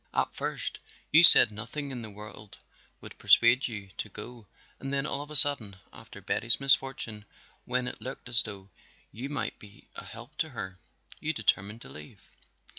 At first you said nothing in the world would persuade you to go and then all of a sudden, after Betty's misfortune, when it looked as though you might be a help to her, you determined to leave.